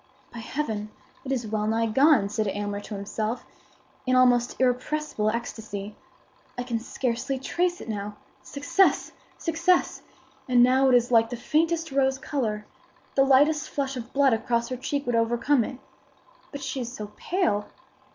"By Heaven! it is well nigh gone!" said Aylmer to himself, in almost irrepressible ecstasy. "I can scarcely trace it now. Success! success! And now it is like the faintest rose color. The lightest flush of blood across her cheek would overcome it. But she is so pale!"